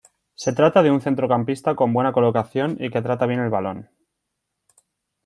Se trata de un centrocampista con buena colocación y que trata bien el balón.